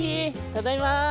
ただいま！